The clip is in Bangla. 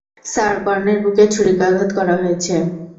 স্যার, কর্ণের বুকে ছুরিকাঘাত করা হয়েছে।